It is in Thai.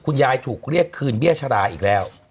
คุณยายถูกเรียกคืนเบี้ยชราอีกแล้ว